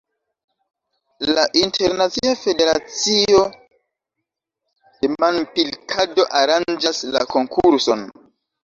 La Internacia Federacio de Manpilkado aranĝas la konkurson.